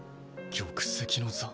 玉石の座？